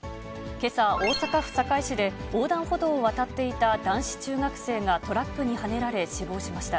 けさ、大阪府堺市で、横断歩道を渡っていた男子中学生がトラックにはねられ死亡しました。